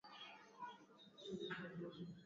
Ugonjwa wa ndui husababisha vifo mlipuko ukiwa mkali